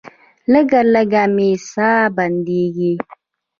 لږه لږه مې ساه بندیږي.